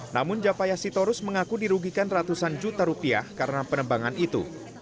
namun japaya sitorus mengaku dirugikan ratusan juta rupiah karena penebangan itu